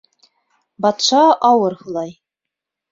Батша ауыр һулай: